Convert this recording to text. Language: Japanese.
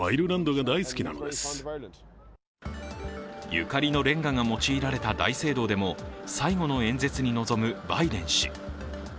ゆかりのれんがが用いられた大聖堂でも最後の演説に臨むバイデン氏。